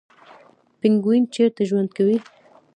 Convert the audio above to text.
پینګوین چیرته ژوند کوي؟